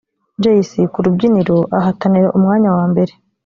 Jay C ku rubyiniro ahatanira umwanya wa mbere